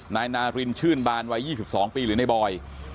นายนารินชื่นบานวัย๒๒ปีหรือในบอย